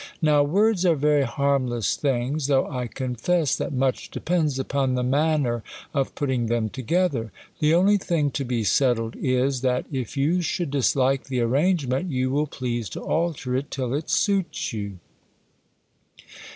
Now, words are very harmless things ; though 1 confess that much dej^ends upon the manner of putting them together. The only thing to be settled is, that, if you should dislike the arrange ment, you will please to alter it, till it suits you.